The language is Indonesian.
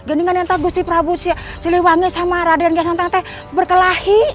ini kan yang tak gusti prabu siliwangi sama raden kian santang berkelahi